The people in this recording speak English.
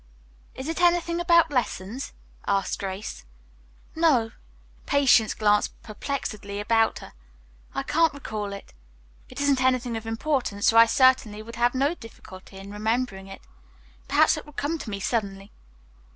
"Is it anything about lessons?" asked Grace. "No." Patience glanced perplexedly about her. "I can't recall it. It isn't anything of importance or I certainly would have no difficulty in remembering it. Perhaps it will come to me suddenly."